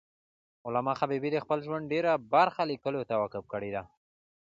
علامه حبیبي د خپل ژوند ډېره برخه لیکلو ته وقف کړی ده.